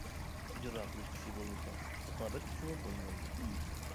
ئىجرا قىلىش كۈچى بولمىسا رىقابەت كۈچىمۇ بولمايدۇ.